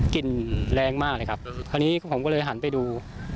กลิ่นแรงมากเลยครับคราวนี้ผมก็เลยหันไปดู